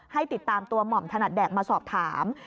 ให้ติดตามตัวหม่อมถนัดแดกมาสอบถาม